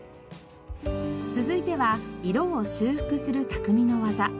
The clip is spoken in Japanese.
続いては色を修復する匠の技。